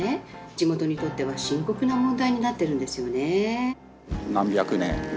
地元にとっては深刻な問題になってるんですよね。